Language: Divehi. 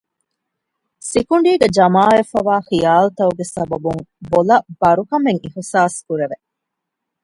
ސިކުނޑީގައި ޖަމާވެފައިވާ ޚިޔާލުތަކުގެ ސަބަބުން ބޮލަށް ބަރުކަމެއް އިޙުސާސްކުރެވެ